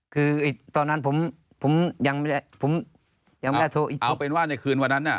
คือตอนนั้นผมยังไม่ได้ผมยังไม่ได้โทรอีกเอาเป็นว่าในคืนวันนั้นอ่ะ